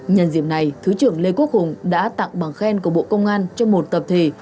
nhân diệm này thứ trưởng lê quốc hùng đã tặng bằng khen của bộ công an cho một tập thể